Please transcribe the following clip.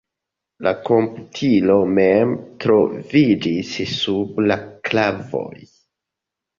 La komputilo mem troviĝis sub la klavoj.